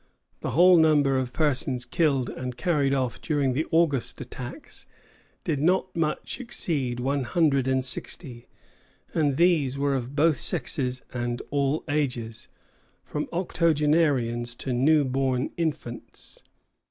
The whole number of persons killed and carried off during the August attacks did not much exceed one hundred and sixty; and these were of both sexes and all ages, from octogenarians to newborn infants.